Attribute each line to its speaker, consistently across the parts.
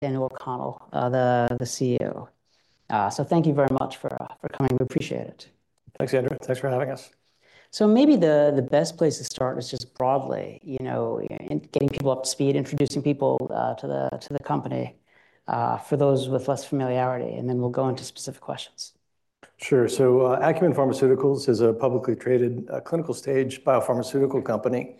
Speaker 1: Daniel O'Connell, the CEO. Thank you very much for coming. We appreciate it.
Speaker 2: Thanks, Andrew. Thanks for having us.
Speaker 1: So maybe the best place to start is just broadly, you know, in getting people up to speed, introducing people to the company for those with less familiarity, and then we'll go into specific questions.
Speaker 2: Sure. So, Acumen Pharmaceuticals is a publicly traded, clinical stage biopharmaceutical company,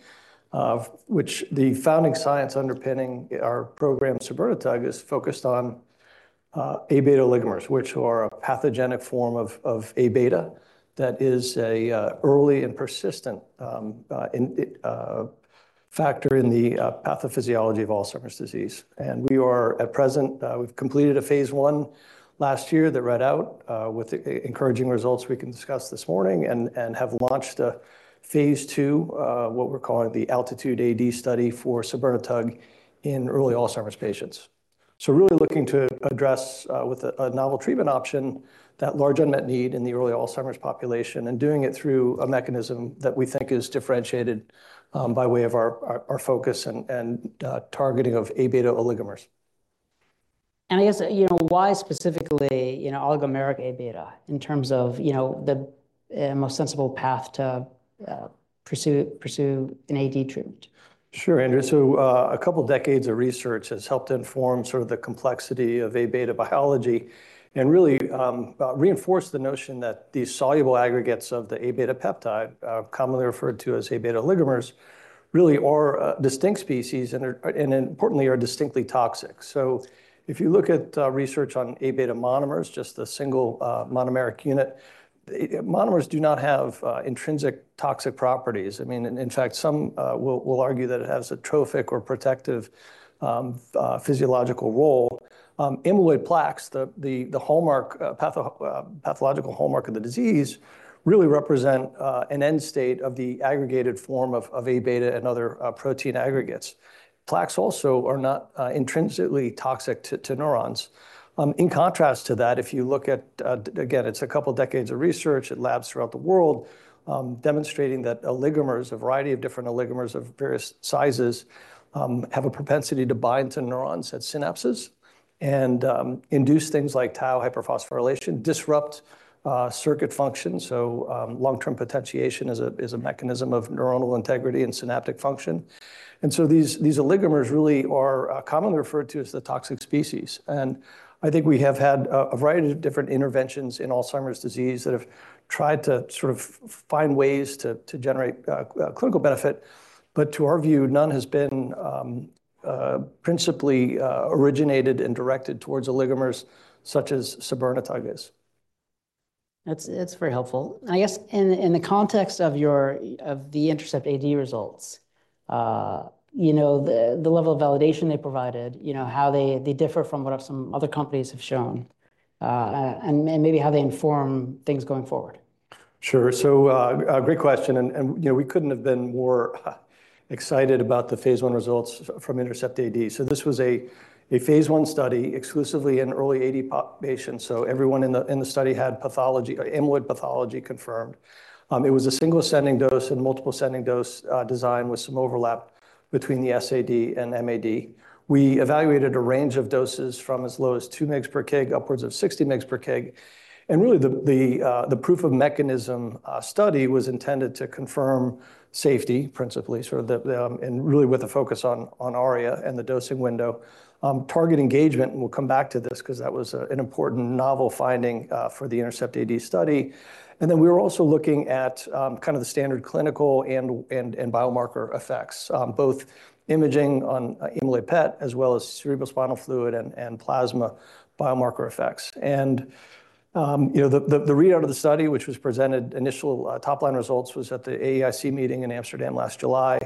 Speaker 2: which the founding science underpinning our program, sabirnetug, is focused on Aβ oligomers, which are a pathogenic form of Aβ that is an early and persistent factor in the pathophysiology of Alzheimer's disease. And we are at present, we've completed a Phase I last year that read out, with encouraging results we can discuss this morning and have launched a Phase II, what we're calling the ALTITUDE-AD study for sabirnetug in early Alzheimer's patients. So we're really looking to address with a novel treatment option that large unmet need in the early Alzheimer's population, and doing it through a mechanism that we think is differentiated by way of our focus and targeting of Aβ oligomers.
Speaker 1: I guess, you know, why specifically, you know, oligomeric Aβ, in terms of, you know, the most sensible path to pursue an AD treatment?
Speaker 2: Sure, Andrew. So, a couple decades of research has helped inform sort of the complexity of Aβ biology and really, reinforce the notion that these soluble aggregates of the Aβ peptide, commonly referred to as Aβ oligomers, really are a distinct species, and they're, and importantly, are distinctly toxic. So if you look at, research on Aβ monomers, just a single, monomeric unit, monomers do not have, intrinsic toxic properties. I mean, in fact, some will argue that it has a trophic or protective, physiological role. Amyloid plaques, the hallmark, pathological hallmark of the disease, really represent, an end state of the aggregated form of, of Aβ and other, protein aggregates. Plaques also are not, intrinsically toxic to, to neurons. In contrast to that, if you look at, again, it's a couple of decades of research at labs throughout the world, demonstrating that oligomers, a variety of different oligomers of various sizes, have a propensity to bind to neurons at synapses and induce things like tau hyperphosphorylation, disrupt circuit function. So, long-term potentiation is a mechanism of neuronal integrity and synaptic function. And so these oligomers really are commonly referred to as the toxic species. And I think we have had a variety of different interventions in Alzheimer's disease that have tried to sort of find ways to generate clinical benefit. But to our view, none has been principally originated and directed towards oligomers such as sabirnetug is.
Speaker 1: That's very helpful. I guess, in the context of the INTERCEPT-AD results, you know, the level of validation they provided, you know, how they differ from what some other companies have shown, and maybe how they inform things going forward.
Speaker 2: Sure. So, a great question, and you know, we couldn't have been more excited about the Phase I results from INTERCEPT-AD. So this was a Phase I study, exclusively in early AD population. So everyone in the study had pathology or amyloid pathology confirmed. It was a single ascending dose and multiple ascending dose design, with some overlap between the SAD and MAD. We evaluated a range of doses from as low as 2 mg per kg, upwards of 60 mg per kg. And really, the proof of mechanism study was intended to confirm safety, principally, sort of the... and really with a focus on ARIA and the dosing window. Target engagement, and we'll come back to this 'cause that was an important novel finding for the INTERCEPT-AD study. And then we were also looking at kind of the standard clinical and biomarker effects, both imaging on amyloid PET as well as cerebrospinal fluid and plasma biomarker effects. And you know, the readout of the study, which was presented initial top-line results, was at the AAIC meeting in Amsterdam last July.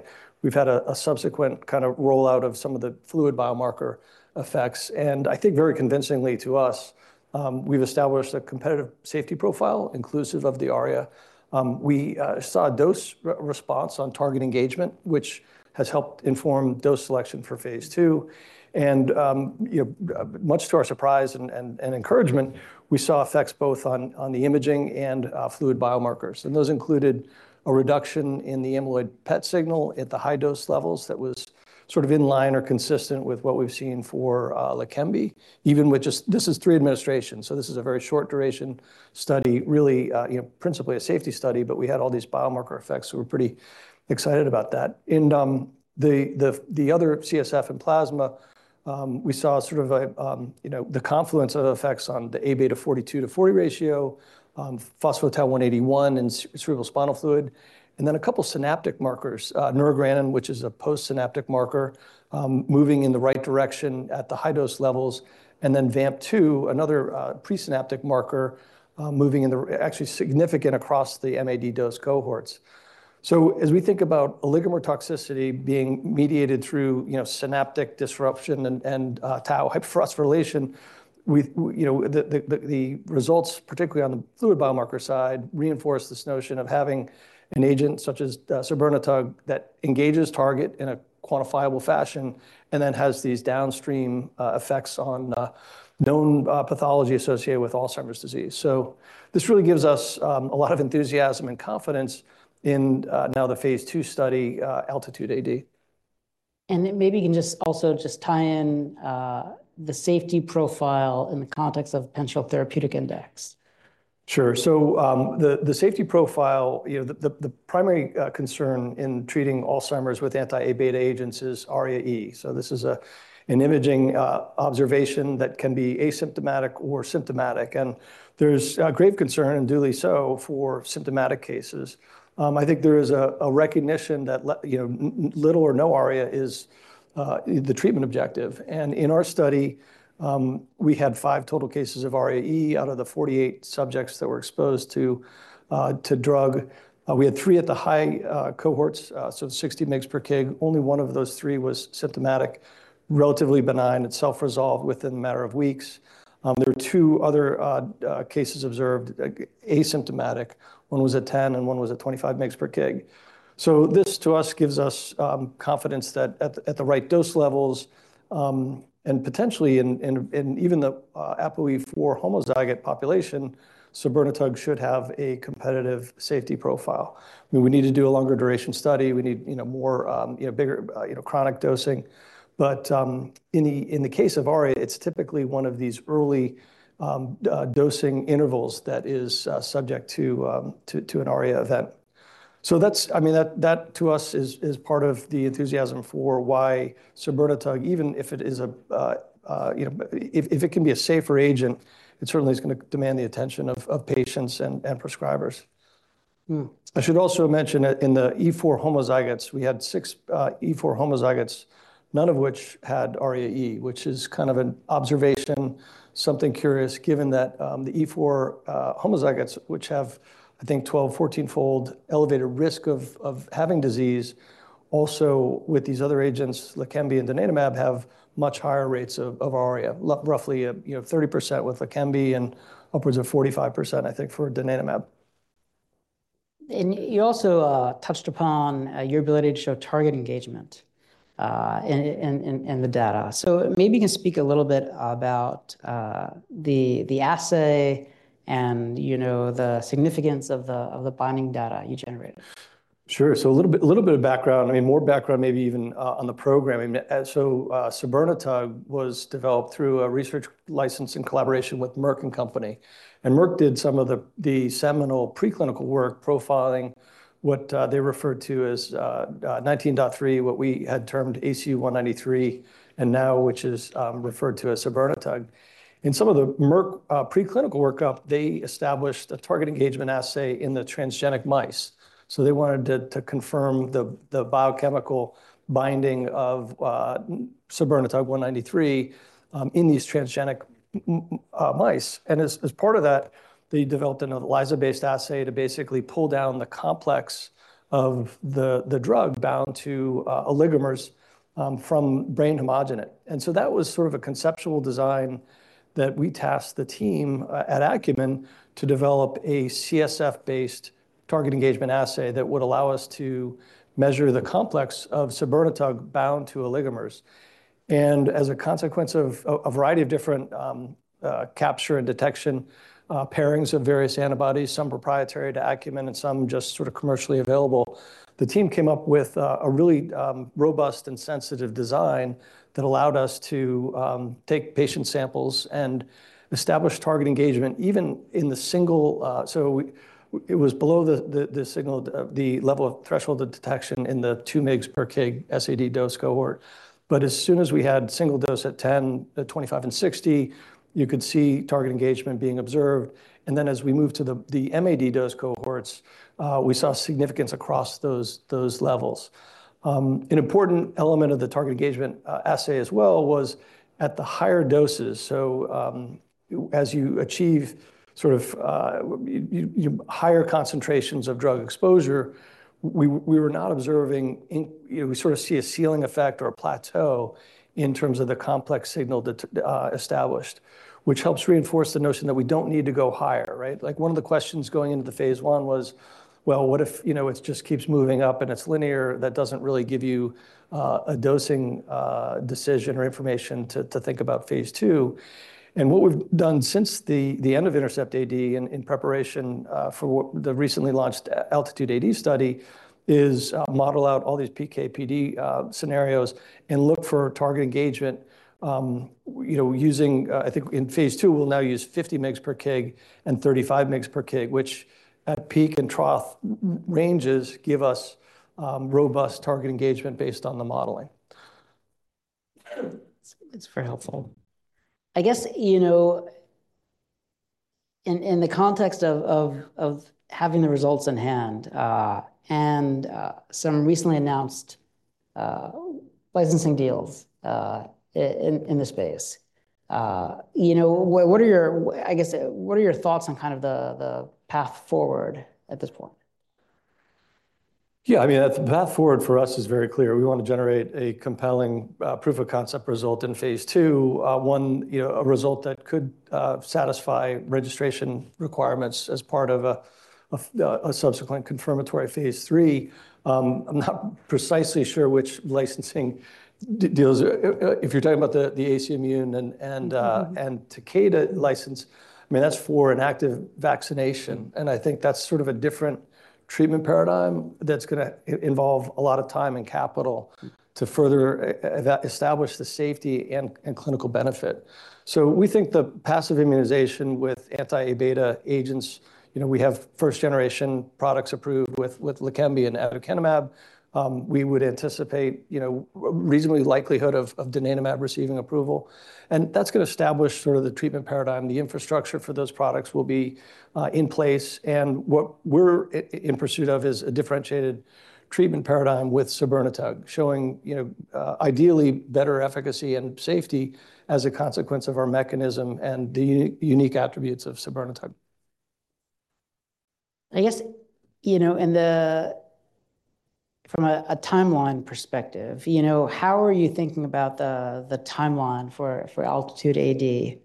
Speaker 2: We've had a subsequent kind of rollout of some of the fluid biomarker effects, and I think very convincingly to us, we've established a competitive safety profile, inclusive of the ARIA. We saw a dose-response on target engagement, which has helped inform dose selection for Phase II. And you know, much to our surprise and encouragement, we saw effects both on the imaging and fluid biomarkers. And those included a reduction in the amyloid PET signal at the high dose levels that was sort of in line or consistent with what we've seen for Leqembi, even with just... This is 3 administrations, so this is a very short duration study, really, you know, principally a safety study, but we had all these biomarker effects, so we're pretty excited about that. And the other CSF and plasma, we saw sort of a you know, the confluence of effects on the Aβ 42-40 ratio, phospho-tau 181 and in cerebrospinal fluid, and then a couple of synaptic markers, neurogranin, which is a postsynaptic marker, moving in the right direction at the high dose levels, and then VAMP2, another presynaptic marker, moving in the actually significant across the MAD dose cohorts. So as we think about oligomer toxicity being mediated through, you know, synaptic disruption and, tau hyperphosphorylation, we, you know, the results, particularly on the fluid biomarker side, reinforce this notion of having an agent such as, sabirnetug, that engages target in a quantifiable fashion and then has these downstream, effects on, known, pathology associated with Alzheimer's disease. So this really gives us, a lot of enthusiasm and confidence in, now the Phase II study, ALTITUDE-AD....
Speaker 1: And then maybe you can just also just tie in, the safety profile in the context of potential therapeutic index.
Speaker 2: Sure. So, the safety profile, you know, the primary concern in treating Alzheimer's with anti-Aβ agents is ARIA-E. So this is an imaging observation that can be asymptomatic or symptomatic, and there's great concern, and duly so, for symptomatic cases. I think there is a recognition that little or no ARIA is the treatment objective. And in our study, we had five total cases of ARIA-E out of the 48 subjects that were exposed to drug. We had three at the high cohorts, so 60 mg per kg. Only one of those three was symptomatic, relatively benign, and self-resolved within a matter of weeks. There were two other cases observed, asymptomatic. One was at 10, and one was at 25 mg per kg. So this, to us, gives us confidence that at the right dose levels, and potentially in even the APOE4 homozygote population, sabirnetug should have a competitive safety profile. We would need to do a longer duration study. We need, you know, more, you know, bigger, you know, chronic dosing. But in the case of ARIA, it's typically one of these early dosing intervals that is subject to an ARIA event. So that's. I mean, that, that, to us, is part of the enthusiasm for why sabirnetug, even if it is a, you know... If it can be a safer agent, it certainly is going to demand the attention of patients and prescribers. Mm. I should also mention that in the E4 homozygotes, we had 6 E4 homozygotes, none of which had ARIA-E, which is kind of an observation, something curious, given that, the E4 homozygotes, which have, I think, 12-14-fold elevated risk of having disease, also with these other agents, Leqembi and donanemab, have much higher rates of ARIA. Roughly, you know, 30% with Leqembi and upwards of 45%, I think, for donanemab.
Speaker 1: And you also touched upon your ability to show target engagement in the data. So maybe you can speak a little bit about the assay and, you know, the significance of the binding data you generated.
Speaker 2: Sure. So a little bit, a little bit of background, I mean, more background maybe even, on the programming. So, sabirnetug was developed through a research license in collaboration with Merck & Co. And Merck did some of the, the seminal preclinical work profiling what, they referred to as, 193, what we had termed ACU193, and now which is, referred to as sabirnetug. In some of the Merck, preclinical workup, they established a target engagement assay in the transgenic mice. So they wanted to, to confirm the, the biochemical binding of, sabirnetug 193, in these transgenic mice. And as, as part of that, they developed an ELISA-based assay to basically pull down the complex of the, the drug bound to, oligomers, from brain homogenate. And so that was sort of a conceptual design that we tasked the team at Acumen to develop a CSF-based target engagement assay that would allow us to measure the complex of sabirnetug bound to oligomers. And as a consequence of a variety of different capture and detection pairings of various antibodies, some proprietary to Acumen and some just sort of commercially available, the team came up with a really robust and sensitive design that allowed us to take patient samples and establish target engagement, even in the single. So it was below the signal, the level of threshold of detection in the 2 mg per kg SAD dose cohort. But as soon as we had single dose at 10, at 25 and 60, you could see target engagement being observed. Then, as we moved to the MAD dose cohorts, we saw significance across those levels. An important element of the target engagement assay as well was at the higher doses. So, as you achieve sort of higher concentrations of drug exposure, we were not observing, you know, we sort of see a ceiling effect or a plateau in terms of the complex signal that established, which helps reinforce the notion that we don't need to go higher, right? Like, one of the questions going into the Phase I was, well, what if, you know, it just keeps moving up and it's linear? That doesn't really give you a dosing decision or information to think about Phase II. What we've done since the end of INTERCEPT-AD in preparation for the recently launched ALTITUDE-AD study is model out all these PK/PD scenarios and look for target engagement, you know, using... I think in Phase II, we'll now use 50 mg/kg and 35 mg/kg, which at peak and trough m ranges give us robust target engagement based on the modeling.
Speaker 1: It's very helpful. I guess, you know, in the context of having the results in hand, and some recently announced licensing deals in the space, you know, what are your thoughts on the path forward at this point?...
Speaker 2: Yeah, I mean, the path forward for us is very clear. We want to generate a compelling proof of concept result in Phase II. You know, a result that could satisfy registration requirements as part of a subsequent confirmatory Phase III. I'm not precisely sure which licensing deals, if you're talking about the AC Immune and, uh- and Takeda license, I mean, that's for an active vaccination, and I think that's sort of a different treatment paradigm that's gonna involve a lot of time and capital to further establish the safety and clinical benefit. So we think the passive immunization with anti-Aβ agents, you know, we have first-generation products approved with Leqembi and aducanumab. We would anticipate, you know, reasonable likelihood of donanemab receiving approval, and that's gonna establish sort of the treatment paradigm. The infrastructure for those products will be in place, and what we're in pursuit of is a differentiated treatment paradigm with sabirnetug, showing, you know, ideally, better efficacy and safety as a consequence of our mechanism and the unique attributes of sabirnetug.
Speaker 1: I guess, you know, in the—from a timeline perspective, you know, how are you thinking about the timeline for ALTITUDE-AD?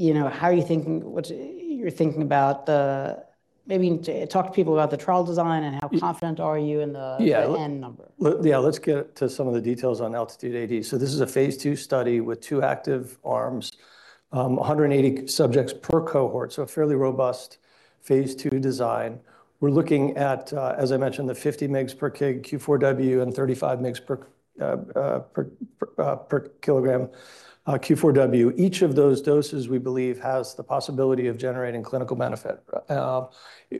Speaker 1: You know, how are you thinking—what you're thinking about the... maybe talk to people about the trial design, and how confident are you in the-
Speaker 2: Yeah.
Speaker 1: the N number?
Speaker 2: Yeah, let's get to some of the details on ALTITUDE-AD. So this is a Phase II study with two active arms, 180 subjects per cohort, so a fairly robust Phase II design. We're looking at, as I mentioned, the 50 mg per kg, Q4w, and 35 mg per kilogram, Q4w. Each of those doses, we believe, has the possibility of generating clinical benefit.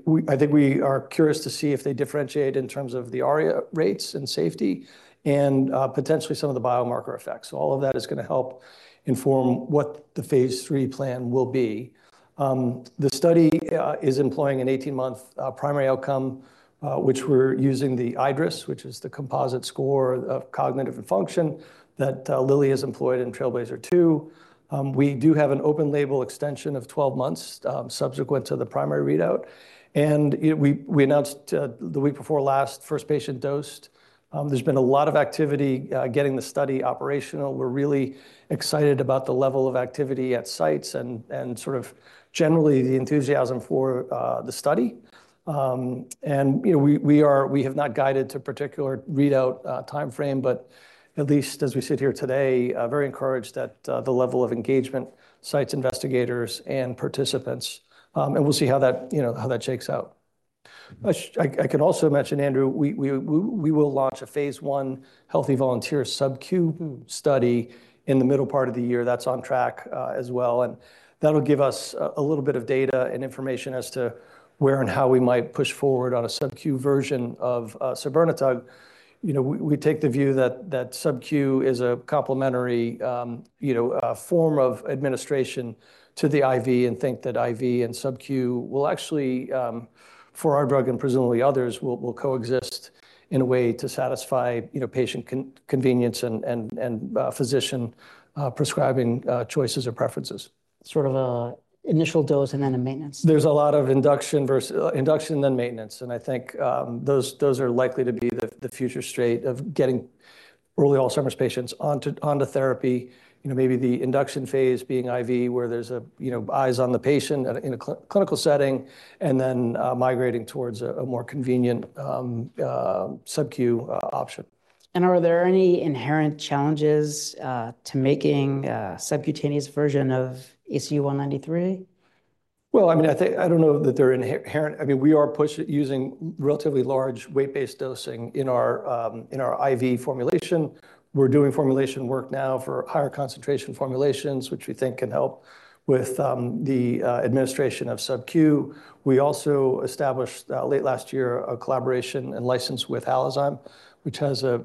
Speaker 2: We, I think we are curious to see if they differentiate in terms of the ARIA rates and safety and, potentially some of the biomarker effects. So all of that is gonna help inform what the Phase III plan will be. The study is employing an 18-month primary outcome, which we're using the iADRS, which is the composite score of cognition and function that Lilly has employed in TRAILBLAZER-ALZ 2. We do have an open-label extension of 12 months subsequent to the primary readout, and we announced the week before last, first patient dosed. There's been a lot of activity getting the study operational. We're really excited about the level of activity at sites and sort of generally the enthusiasm for the study. And, you know, we are—we have not guided to particular readout time frame, but at least as we sit here today, very encouraged at the level of engagement, sites, investigators, and participants. And we'll see how that, you know, how that shakes out. I can also mention, Andrew, we will launch a Phase I healthy volunteer subcu study in the middle part of the year. That's on track, as well, and that'll give us a little bit of data and information as to where and how we might push forward on a subcu version of sabirnetug. You know, we take the view that subcu is a complementary, you know, form of administration to the IV and think that IV and subcu will actually, for our drug and presumably others, will coexist in a way to satisfy, you know, patient convenience and physician prescribing choices or preferences.
Speaker 1: Sort of an initial dose and then a maintenance.
Speaker 2: There's a lot of induction versus induction, then maintenance, and I think, those, those are likely to be the, the future state of getting early Alzheimer's patients onto, onto therapy. You know, maybe the induction phase being IV, where there's a, you know, eyes on the patient at a, in a clinical setting, and then, migrating towards a, a more convenient, subcu option.
Speaker 1: Are there any inherent challenges to making a subcutaneous version of ACU193?
Speaker 2: Well, I mean, I think I don't know that they're inherent. I mean, we are using relatively large weight-based dosing in our, in our IV formulation. We're doing formulation work now for higher concentration formulations, which we think can help with, the, administration of subcu. We also established, late last year, a collaboration and license with Halozyme, which has a,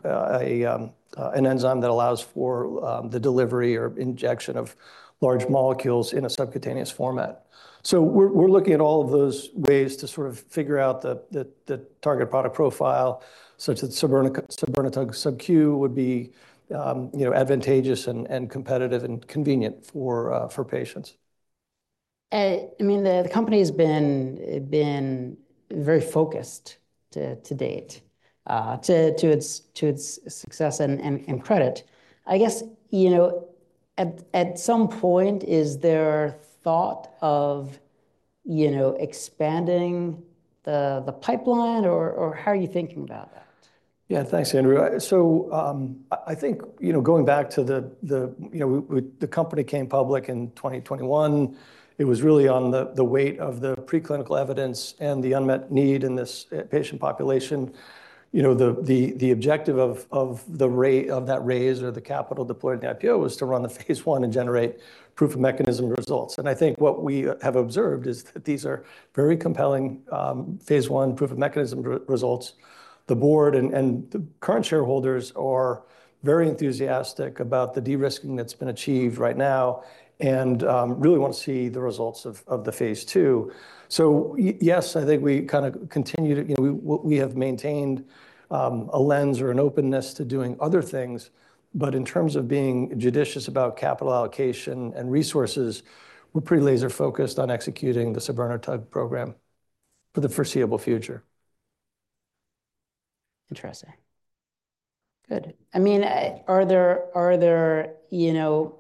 Speaker 2: a, an enzyme that allows for, the delivery or injection of large molecules in a subcutaneous format. So we're, we're looking at all of those ways to sort of figure out the, the, the target product profile, such that sabirnetug subcu would be, you know, advantageous and, and competitive and convenient for, for patients.
Speaker 1: I mean, the company's been very focused to date, to its success and credit. I guess, you know, at some point, is there thought of, you know, expanding the pipeline, or how are you thinking about that?
Speaker 2: Yeah, thanks, Andrew. So, I think, you know, going back to the... you know, we—the company came public in 2021. It was really on the weight of the preclinical evidence and the unmet need in this patient population. You know, the objective of that raise or the capital deployed in the IPO was to run the Phase I and generate proof of mechanism results. And I think what we have observed is that these are very compelling Phase I proof of mechanism results. The board and the current shareholders are very enthusiastic about the de-risking that's been achieved right now and really want to see the results of the Phase II. So yes, I think we kind of continue to... You know, we, we have maintained a lens or an openness to doing other things, but in terms of being judicious about capital allocation and resources, we're pretty laser focused on executing the sabirnetug program for the foreseeable future.
Speaker 1: Interesting. Good. I mean, are there, you know...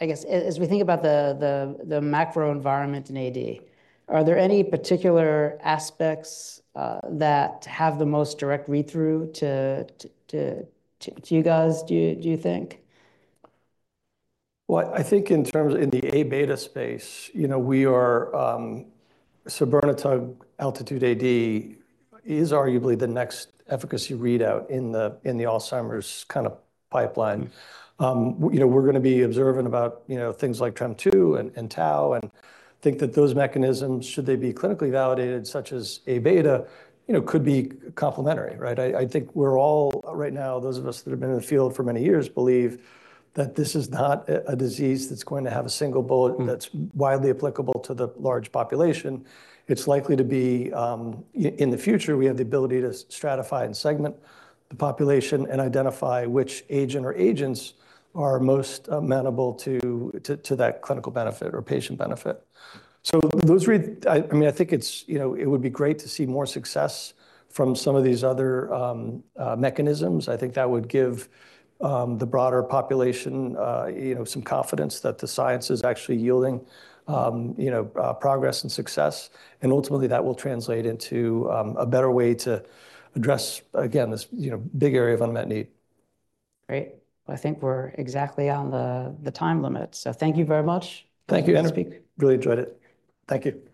Speaker 1: I guess, as we think about the macro environment in AD, are there any particular aspects that have the most direct read-through to you guys, do you think?
Speaker 2: Well, I think in terms of in the Aβ space, you know, we are, sabirnetug ALTITUDE-AD is arguably the next efficacy readout in the, in the Alzheimer's kind of pipeline. You know, we're gonna be observant about, you know, things like TREM2 and, and tau, and think that those mechanisms, should they be clinically validated, such as Aβ, you know, could be complementary, right? I think we're all, right now, those of us that have been in the field for many years, believe that this is not a disease that's going to have a single bullet that's widely applicable to the large population. It's likely to be, in the future, we have the ability to stratify and segment the population and identify which agent or agents are most amenable to that clinical benefit or patient benefit. So those, I mean, I think it's, you know, it would be great to see more success from some of these other mechanisms. I think that would give the broader population, you know, some confidence that the science is actually yielding, you know, progress and success, and ultimately, that will translate into a better way to address, again, this, you know, big area of unmet need.
Speaker 1: Great. I think we're exactly on the time limit. So thank you very much.
Speaker 2: Thank you, Andrew.
Speaker 1: Thanks for speaking.
Speaker 2: Really enjoyed it. Thank you.